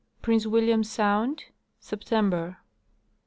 Prince William sound, September.